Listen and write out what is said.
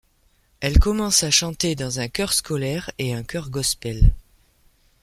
Elle commence à chanter dans un chœur scolaire et un chœur gospel.